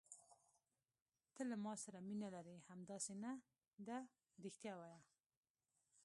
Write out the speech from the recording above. ته له ما سره مینه لرې، همداسې نه ده؟ رښتیا وایه.